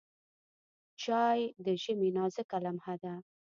چای د ژمي نازکه لمحه ده.